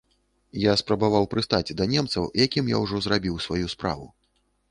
Я спрабаваў прыстаць да немцаў, якім я ўжо зрабіў сваю справу.